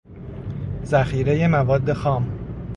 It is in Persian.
ذخیره مواد خام